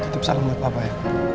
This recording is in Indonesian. tutup salam buat papa ya